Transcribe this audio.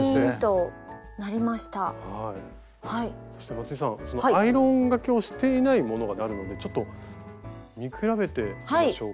松井さんそのアイロンがけをしていないものがあるのでちょっと見比べてみましょうか。